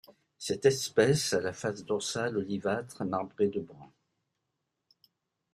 Cette espèce a la face dorsale olivâtre marbré de brun.